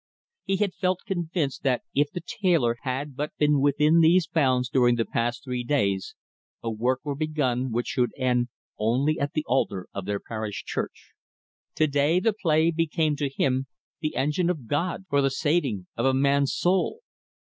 He had felt convinced that if the tailor had but been within these bounds during the past three days, a work were begun which should end only at the altar of their parish church. To day the play became to him the engine of God for the saving of a man's soul.